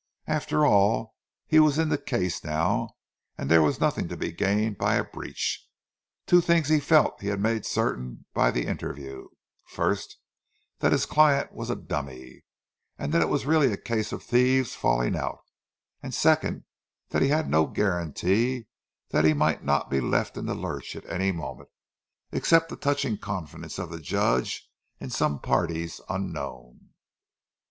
After all, he was in the case now, and there was nothing to be gained by a breach. Two things he felt that he had made certain by the interview—first, that his client was a "dummy," and that it was really a case of thieves falling out; and second, that he had no guarantee that he might not be left in the lurch at any moment—except the touching confidence of the Judge in some parties unknown.